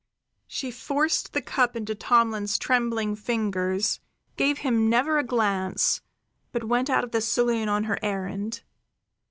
She forced the cup into Tomlin's trembling fingers, gave him never a glance, but went out of the saloon on her errand.